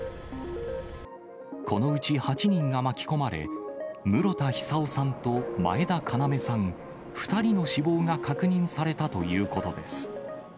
このうち８人が巻き込まれ、室田久生さんと前田要さん２人の死亡が確認されたということです。